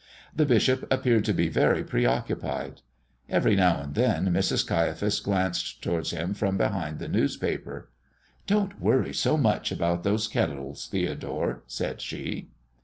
The bishop appeared to be very preoccupied. Every now and then Mrs. Caiaphas glanced towards him from behind the newspaper. "Don't worry so much about those Kettles, Theodore," said she.